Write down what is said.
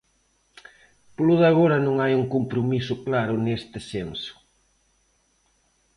Polo de agora non hai un compromiso claro neste senso.